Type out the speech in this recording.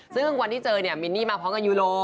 ซึ่งวันที่เจอเนี่ยมินนี่มาพร้อมกับยูโร